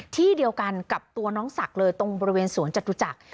ที่เดียวกันกับตัวน้องสักเลยตรงบริเวณสวนจัดรู้จัก